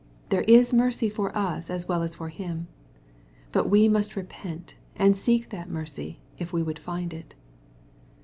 There is mercy for us as well as for him. But we must repent, and seek that mercy, if we would find it.